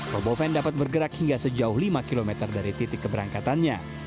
roboven dapat bergerak hingga sejauh lima km dari titik keberangkatannya